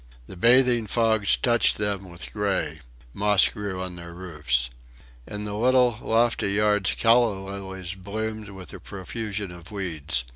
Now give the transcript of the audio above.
The bathing fogs touched them with gray. Moss grew on their roofs. In the little, lofty yards calla lilies bloomed with the profusion of weeds.